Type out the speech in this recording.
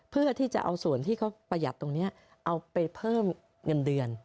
เพื่อที่จะเอาส่วนที่เขาประหยัดตรงนี้เอาไปเพิ่มเงินเดือน